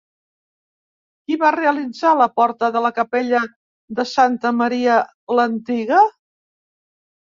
Qui va realitzar la porta de la capella de Santa Maria l'Antiga?